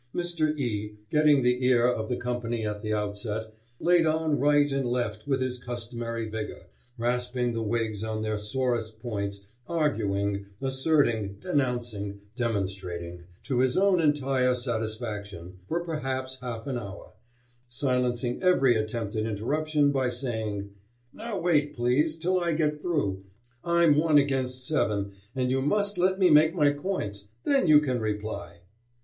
Mr. E , getting the ear of the company at the outset, laid on right and left with his customary vigor, rasping the Whigs on their sorest points, arguing, asserting, denouncing, demonstrating to his own entire satisfaction for perhaps half an hour; silencing every attempt at interruption by saying: "Now wait, please, till I get through; I'm one against seven, and you must let me make my points. Then you can reply."